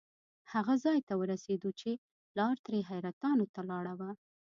هغه ځای ته ورسېدو چې لار ترې حیرتانو ته لاړه وه.